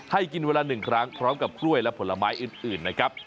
ให้กินเวลา๑ครั้งพร้อมกับกล้วยและผลไม้อื่นนะครับ